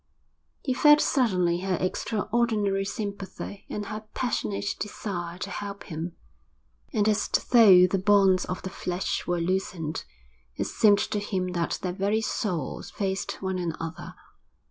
He felt suddenly her extraordinary sympathy and her passionate desire to help him. And as though the bonds of the flesh were loosened, it seemed to him that their very souls faced one another.